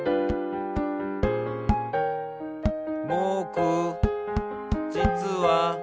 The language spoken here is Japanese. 「ぼくじつは」